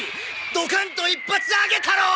ドカンと一発あげたろう！